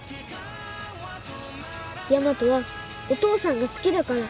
ヤマトはお父さんが好きだから